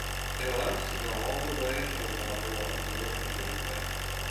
It allows to go all the way to the water while observing the reed bed.